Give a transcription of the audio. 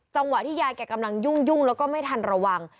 จังหวะที่ยายแกกำลังยุ่งแล้วก็ไม่ทันระวัง